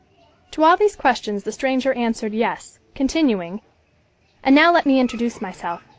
To all these questions the stranger answered "Yes," continuing, "and now let me introduce myself.